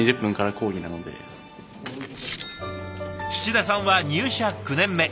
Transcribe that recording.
田さんは入社９年目。